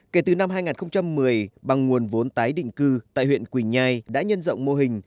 kể từ năm hai nghìn một mươi bằng nguồn vốn tái định cư tại huyện quỳnh nhai đã nhân rộng mô hình